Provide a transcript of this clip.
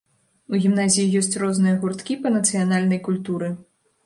У гімназіі ёсць розныя гурткі па нацыянальнай культуры.